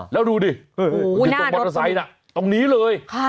แล้วดูดิอยู่ตรงมอเตอร์ไซค์น่ะตรงนี้เลย